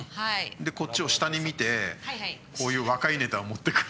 でこっちを下に見てこういう若いネタを持ってくる。